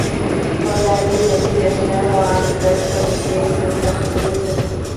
ফলে আগের ম্যাচেই ম্যাচসেরা হওয়া অ্যান্ডারসনকে কোনো শাস্তি পেতে হচ্ছে না।